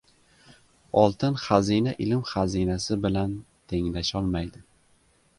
• Oltin xazina ilm xazinasi bilan tenglasholmaydi.